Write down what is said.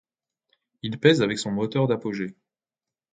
Il pèse avec son moteur d'apogée.